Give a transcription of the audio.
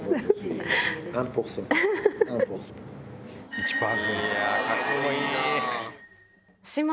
１％。